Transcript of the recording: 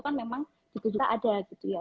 kan memang diminta ada gitu ya